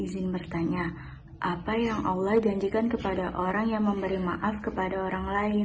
izin bertanya apa yang allah janjikan kepada orang yang memberi maaf kepada orang lain